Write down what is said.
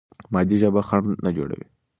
مادي ژبه خنډ نه جوړوي.